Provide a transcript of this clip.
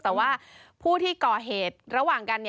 แต่ว่าผู้ที่ก่อเหตุระหว่างกัน